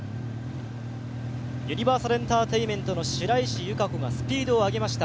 ユニバーサルエンターテインメントの白石由佳子がスピードを上げました。